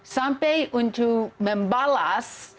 sampai untuk membalas